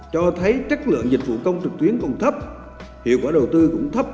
cho thấy chất lượng dịch vụ công trực tuyến còn thấp hiệu quả đầu tư cũng thấp